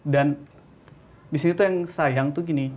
dan disitu tuh yang sayang tuh gini